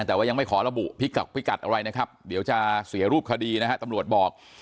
แต่ว่ายังไม่ขอระบุพิกัดอะไรนะครับเดี๋ยวจะเสียรูปคดีนะฮะตำรวจบอก